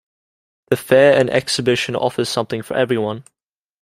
The Fair and Exhibition offers something for everyone.